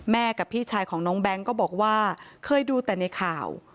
กับพี่ชายของน้องแบงค์ก็บอกว่าเคยดูแต่ในข่าว